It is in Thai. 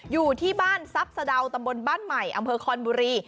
อยู่ที่บ้านทรัพย์สะดาวตำบลบ้านใหม่อำเภอคอนบุรี